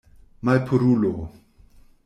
Malpurulo.